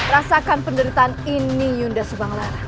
rasakan penderitaan ini yunda subanglarang